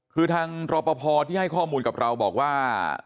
คือทางรอปภที่ให้ข้อมูลกับเราบอกว่า